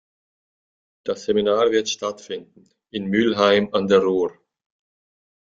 Das Seminar wird stattfinden in Mülheim an der Ruhr.